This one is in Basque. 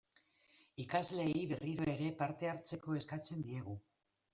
Ikasleei, berriro ere, parte hartzeko eskatzen diegu.